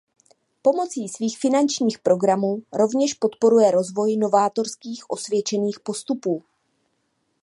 Pomocí svých finančních programů rovněž podporuje rozvoj novátorských osvědčených postupů.